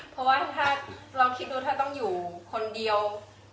เพราะว่าถ้าลองคิดดูถ้าต้องอยู่คนเดียว